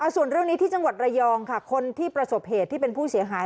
ส่วนเรื่องนี้ที่จังหวัดระยองค่ะคนที่ประสบเหตุที่เป็นผู้เสียหาย